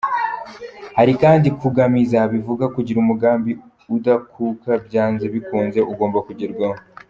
Hari kandi Kugâmiza: Bivuga kugira umugambi udakuka, byanze bikunze ugomba kugerwaho.